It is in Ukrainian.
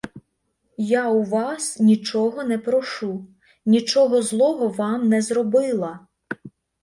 Я у вас нічого не прошу, нічого злого вам не зробила.